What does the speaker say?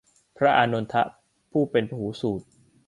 พระอานนทะ ผู้เป็นพหูสูต